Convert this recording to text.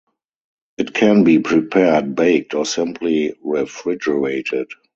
It can be prepared baked or simply refrigerated.